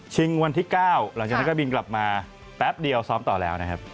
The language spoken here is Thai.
วันที่๙หลังจากนั้นก็บินกลับมาแป๊บเดียวซ้อมต่อแล้วนะครับ